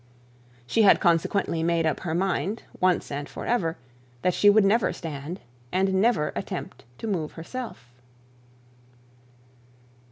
She had consequently made up her mind, once and for ever, that she would never stand, and never attempt to move herself.